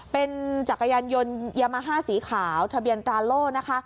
เป็นจักรยานยนต์ยามาฮ่าสีขาวทะเบียนตราโล่นะคะ